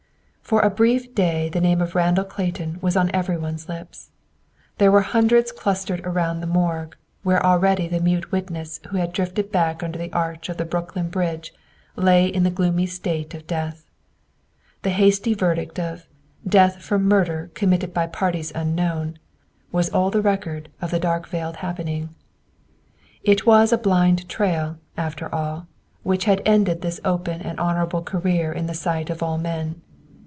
For a brief day the name of Randall Clayton was on every one's lips. There were hundreds clustered around the morgue, where already the mute witness who had drifted back under the arch of the Brooklyn Bridge lay in the gloomy state of death. The hasty verdict of "death from murder committed by parties unknown," was all the record of the darkly veiled happening. It was a blind trail, after all, which had ended this open and honorable career in the sight of all men.